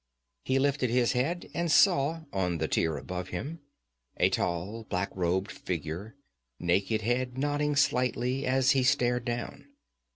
He lifted his head and saw, on the tier above him, a tall, black robed figure, naked head nodding slightly as he stared down.